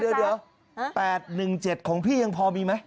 เดี๋ยว๘๑๗ของพี่ยังพอมีไหม